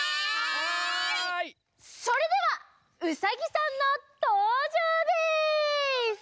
それではウサギさんのとうじょうです！